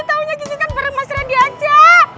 tau nya gini kan bareng mas reddy aja